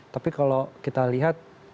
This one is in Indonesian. tapi kalau kita lihat